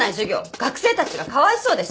学生たちがかわいそうです。